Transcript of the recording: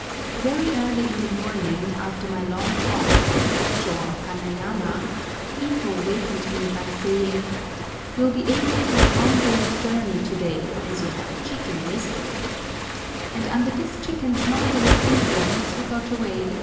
VERY early in the morning, after my long talk with the Kôchô of Kanayama, Ito wakened me by saying, "You'll be able for a long day's journey to day, as you had a chicken yesterday," and under this chicken's marvellous influence we got away at 6.